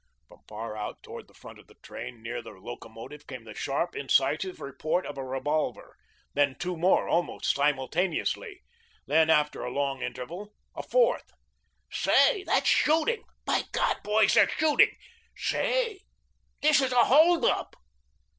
From far out towards the front of the train, near the locomotive, came the sharp, incisive report of a revolver; then two more almost simultaneously; then, after a long interval, a fourth. "Say, that's SHOOTING. By God, boys, they're shooting. Say, this is a hold up."